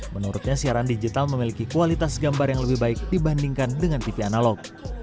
menurutnya siaran digital memiliki kualitas gambar yang lebih baik dibandingkan dengan tv analog